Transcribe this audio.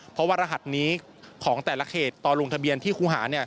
เพราะว่ารหัสนี้ของแต่ละเขตตอนลงทะเบียนที่ครูหา